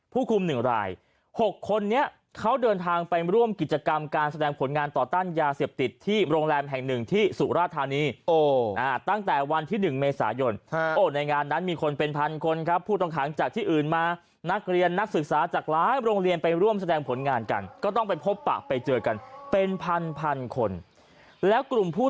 ผู้คุมหนึ่งราย๖คนนี้เขาเดินทางไปร่วมกิจกรรมการแสดงผลงานต่อต้านยาเสพติดที่โรงแรมแห่งหนึ่งที่สุราธานีตั้งแต่วันที่๑เมษายนในงานนั้นมีคนเป็นพันคนครับผู้ต้องขังจากที่อื่นมานักเรียนนักศึกษาจากหลายโรงเรียนไปร่วมแสดงผลงานกันก็ต้องไปพบปะไปเจอกันเป็นพันพันคนแล้วกลุ่มผู้